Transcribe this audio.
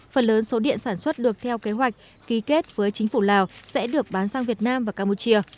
phần lớn số điện sản xuất được theo kế hoạch ký kết với chính phủ lào sẽ được bán sang việt nam và campuchia